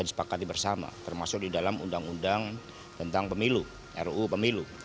disepakati bersama termasuk di dalam undang undang tentang pemilu ruu pemilu